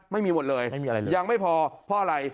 ไม่มีหมดเลยยังไม่พอเพราะอะไร